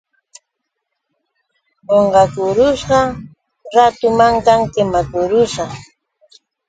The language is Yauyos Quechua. Qunqaykurusa ratu mankan kimarusa.